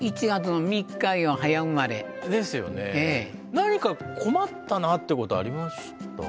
何か困ったなってことありました？